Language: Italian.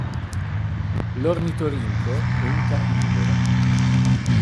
L'ornitorinco è un carnivoro.